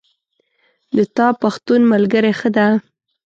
د تا پښتون ملګری ښه ده